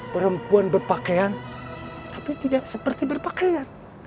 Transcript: perempuan berpakaian tapi tidak seperti berpakaian